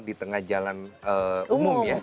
di tengah jalan umum